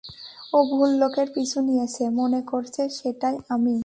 ও ভুল লোকের পিছু নিয়েছে, মনে করছে সেটাই আমি।